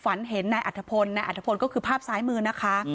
ฝันเห็นนายอัฐพลนายอัฐพลก็คือภาพซ้ายมือนะคะ